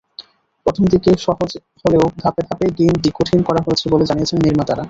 প্রথম দিকে সহজ হলেও ধাপে ধাপে গেমটি কঠিন করা হয়েছে বলে জানিয়েছেন নির্মাতারা।